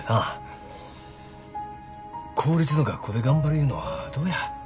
公立の学校で頑張るいうのはどうや？